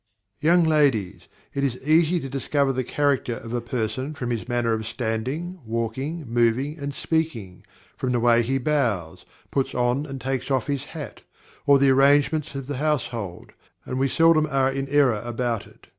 Young ladies, it is easy to discover the character of a person from his manner of standing, walking, moving, and speaking, from the way he bows, puts on and takes off his hat, or the arrangements of the household; and we seldom are in error about it.